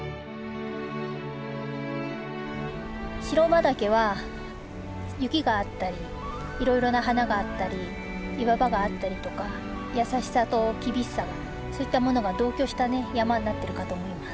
白馬岳は雪があったりいろいろな花があったり岩場があったりとか優しさと厳しさがそういったものが同居した山になってるかと思います。